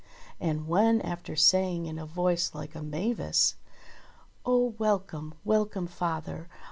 And when, after saying in a voice like a mavis — "Oh welcome, welcome, father.